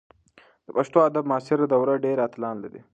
د پښتو ادب معاصره دوره ډېر اتلان لري.